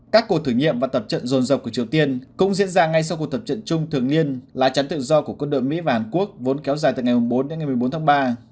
các cuộc thử nghiệm và tập trận rồn rập của triều tiên cũng diễn ra ngay sau cuộc tập trận chung thường niên lá chắn tự do của quân đội mỹ và hàn quốc vốn kéo dài từ ngày bốn đến ngày một mươi bốn tháng ba